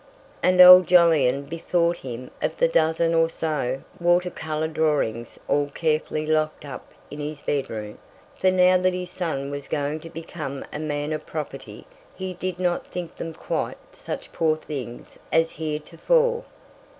And old Jolyon bethought him of the dozen or so water colour drawings all carefully locked up in his bedroom; for now that his son was going to become a man of property he did not think them quite such poor things as heretofore.